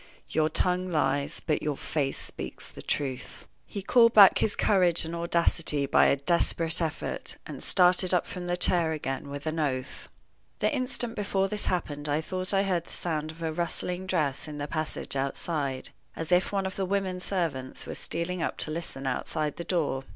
"Your tongue lies, but your face speaks the truth." He called back his courage and audacity by a desperate effort, and started up from the chair again with an oath. The instant before this happened I thought I heard the sound of a rustling dress in the passage outside, as if one of the women servants was stealing up to listen outside the door.